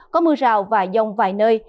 có mưa rào và giông vài nơi